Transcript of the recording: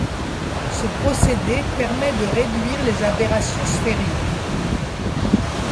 Ce procédé permet de réduire les aberrations sphériques.